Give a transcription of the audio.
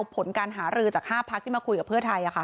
ผลการหารือจาก๕พักที่มาคุยกับเพื่อไทย